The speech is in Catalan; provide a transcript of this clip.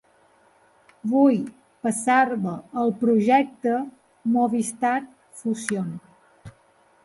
Vull passar-me al projecte Movistar Fusión.